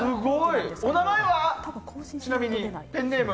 お名前は？